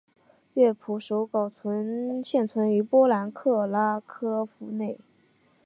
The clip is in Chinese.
乐谱手稿现存于波兰克拉科夫内。